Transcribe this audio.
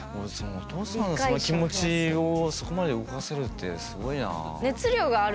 お父さんの、その気持ちをそこまで動かせるって、すごいな。